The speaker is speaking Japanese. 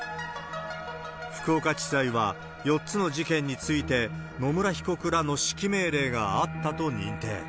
福岡地裁は４つの事件について、野村被告らの指揮命令があったと認定。